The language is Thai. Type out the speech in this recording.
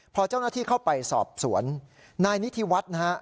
พอเจ้าหน้าที่เข้าไปสอบสวนนายนิธิวัฒน์นะฮะ